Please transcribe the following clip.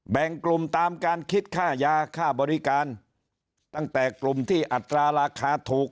แบ่งกลุ่มตามการคิดค่ายาค่าบริการตั้งแต่กลุ่มที่อัตราราคาถูก